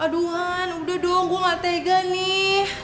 aduh han udah dong gue gak tega nih